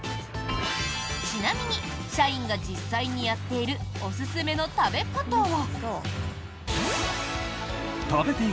ちなみに社員が実際にやっているおすすめの食べ方は。